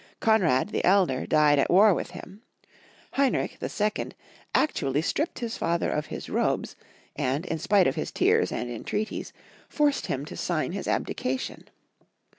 Konr^d, the elder, died at war with him; Heinrich, the second, actually stripped his father of his robes, and, in spite of his tears and entreaties, forced him to sign his abdication.